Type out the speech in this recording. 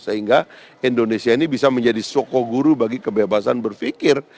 sehingga indonesia ini bisa menjadi sokoguru bagi kebebasan berpikir